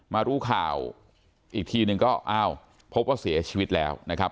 มารู้ข่าวอีกทีนึงก็อ้าวพบว่าเสียชีวิตแล้วนะครับ